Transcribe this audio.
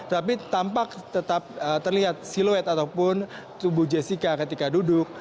tapi tampak tetap terlihat siluet ataupun tubuh jessica ketika duduk